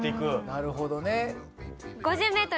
なるほどね。